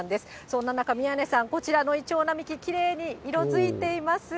そんな中、宮根さん、こちらのイチョウ並木、きれいに色づいています。